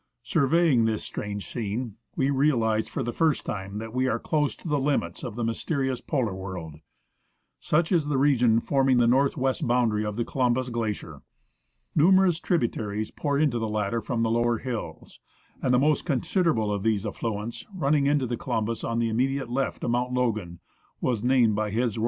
Surveying this strange scene, we realized for the first time that we were close to the limits of the mysterious Polar world. Such is the region forming the north west boundary of the Columbus Glacier. Numerous tri butaries pour into the latter from the lower hills ; and the most considerable of these affluents, running into the Columbus on the immediate left of Mount Logan, was named by H.R.H.